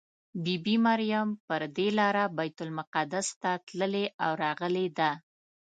بي بي مریم پر دې لاره بیت المقدس ته تللې او راغلې ده.